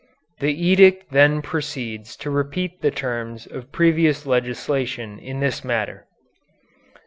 (The edict then proceeds to repeat the terms of previous legislation in this matter.)